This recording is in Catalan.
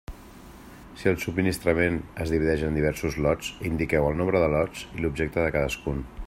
Si el subministrament es divideix en diversos lots, indiqueu el nombre de lots i l'objecte de cadascun.